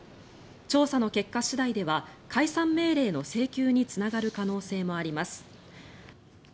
調査の結果次第では解散命令の請求につながる可能性もあります。